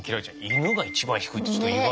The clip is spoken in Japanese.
犬が一番低いってちょっと意外。